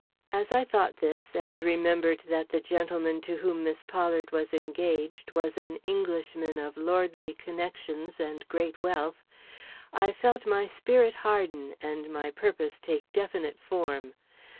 As I thought this and remembered that the gentleman to whom Miss Pollard was engaged was an Englishman of lordly connections and great wealth, I felt my spirit harden and my purpose take definite form.